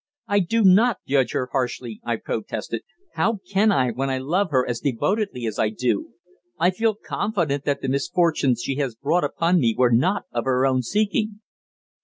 "I do not judge her harshly," I protested. "How can I, when I love her as devotedly as I do! I feel confident that the misfortunes she has brought upon me were not of her own seeking."